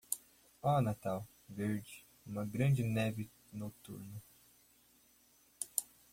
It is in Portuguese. Oh Natal, verde, numa grande neve noturna.